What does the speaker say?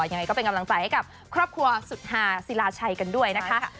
ยังไงก็เป็นกำลังใจให้กับครอบครัวสุธาศิลาชัยกันด้วยนะคะ